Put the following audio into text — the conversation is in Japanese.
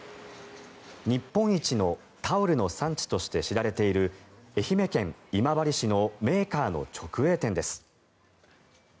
日本一のタオルの産地として知られている愛媛県今治市のメーカーの直営店です。